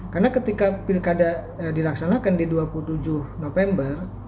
karena ketika pilkada dilaksanakan di dua puluh tujuh november